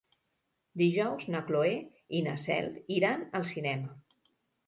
Dijous na Cloè i na Cel iran al cinema.